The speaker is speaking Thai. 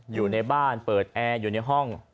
อยู่ในบ้านเปิดแอร์อยู่ในห้อง